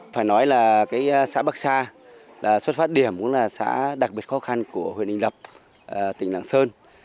phải nói là xã bắc sa là xuất phát điểm cũng là xã đặc biệt khó khăn của huyện đình lập tỉnh lạng sơn